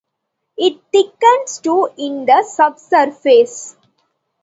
It thickens to in the subsurface.